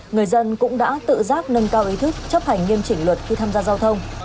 người dân cũng đã tự giác nâng cao ý thức chấp hành nghiêm chỉnh luật khi tham gia giao thông